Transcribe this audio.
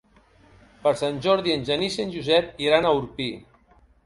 Per Sant Jordi en Genís i en Josep iran a Orpí.